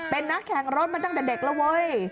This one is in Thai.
เป็นนักแข่งรถมาตั้งแต่เด็กแล้วเว้ย